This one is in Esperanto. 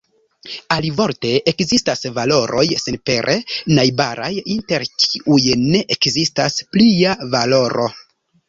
Alivorte, ekzistas valoroj senpere najbaraj, inter kiuj ne ekzistas plia valoro.